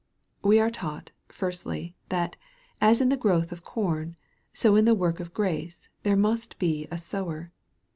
We are taught, firstly, that, as in the growth of corn, so in the work of grace, there must be a sower.